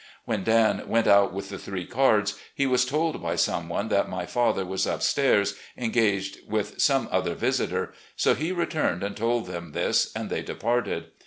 When Dan went out with the three cards, he was told by some one that my father was up stairs engaged with some other visitor, so he returned and told them this and they departed.